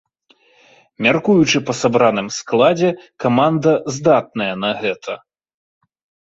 Мяркуючы па сабраным складзе, каманда здатная на гэта.